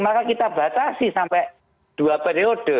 maka kita batasi sampai dua periode